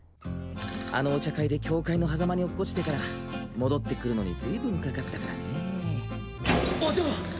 あのお茶会で境界のはざまに落っこちてから戻ってくるのにずいぶんかかったからねお嬢！